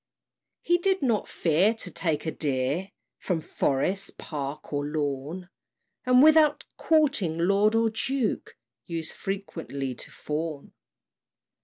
He did not fear to take a deer From forest, park, or lawn; And without courting lord or duke, Used frequently to fawn.